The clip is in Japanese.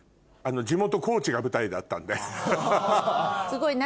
地元高知が舞台だったんでハハハ。